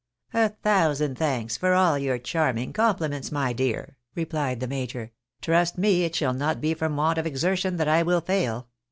" A thousand thanks for all your charming compliments, my dear," rephed the major. " Trust me, it shall not be from want of exertion that I will fail.